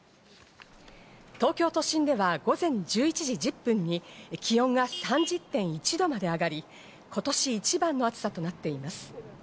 東京都心では午前１１時１０分に気温が３０．１度まで上がり、今年一番の暑さとなっています。